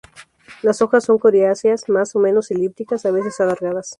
Las hojas son coriáceas, más o menos elípticas, a veces alargadas.